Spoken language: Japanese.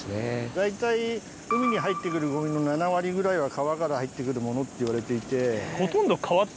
大体海に入って来るゴミの７割ぐらいは川から入って来るものっていわれていて。